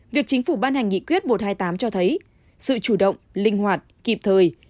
việc chính phủ ban hành nghị quyết một trăm hai mươi tám cho thấy sự chủ động linh hoạt kịp thời